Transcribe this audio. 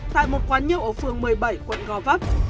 tại một quán nhậu ở phường một mươi bảy quận gò vấp